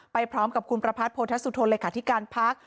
ไปพร้อมกับคุณประพัทธ์โพธัศุโทรลัยขาดธิการภาค